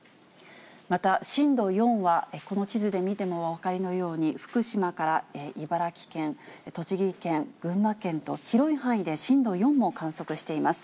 また、震度４は、この地図で見てもお分かりのように、福島から茨城県、栃木県、群馬県と、広い範囲で震度４を観測しています。